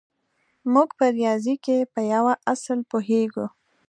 موږ په ریاضي کې په یوه اصل پوهېږو